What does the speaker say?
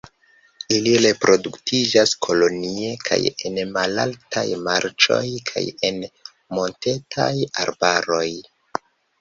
Ili reproduktiĝas kolonie kaj en malaltaj marĉoj kaj en montetaj arbaroj.